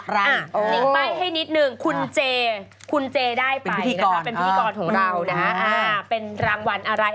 รึเป่านะ